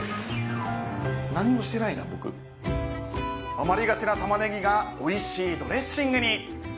余りがちなタマネギがおいしいドレッシングに